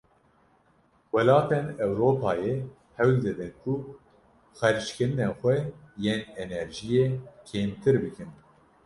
Welatên Ewropayê hewl didin ku xerckirinên xwe yên enerjiyê kêmtir bikin.